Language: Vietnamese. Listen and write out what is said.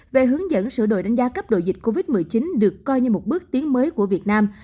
về hướng dẫn sửa đổi đánh giá cấp độ dịch covid một mươi chín được coi như một bước tiến mới của việt nam